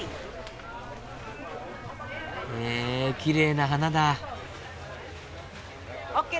へえきれいな花だ。